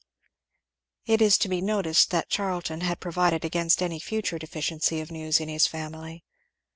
It is to be noticed that Charlton had provided against any future deficiency of news in his family.